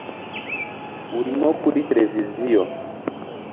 urimo kuri tereviziyo